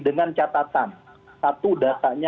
dengan catatan satu data ini